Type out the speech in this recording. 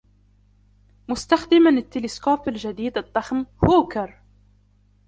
مستخدما التلسكوب الجديد الضخم هووكر